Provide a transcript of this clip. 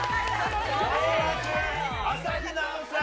４枠、朝日奈央さん。